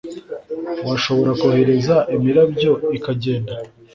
washobora kohereza imirabyo ikagenda,